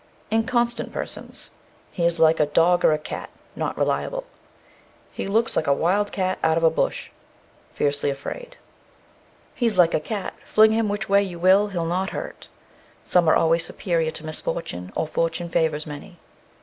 INCONSTANT PERSONS. He is like a dog or a cat. Not reliable. He looks like a wild cat out of a bush. Fiercely afraid. He's like a cat; fling him which way you will, he'll not hurt. Some are always superior to misfortune, or fortune favours many.